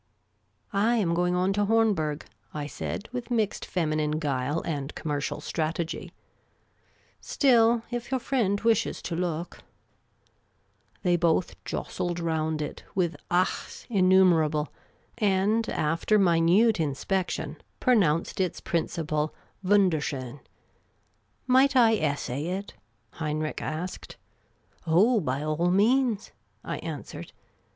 " I am going on to Hornberg," I said, with mixed feminine guile and commercial strategy ;" still, if your friend wishes to look ". They both jostled round it, with achs innumerable, and, after minute inspection, pronounced its principle luundcr schon. " Might I essay it ?" Heinrich asked. " Oh, by all means," I answered.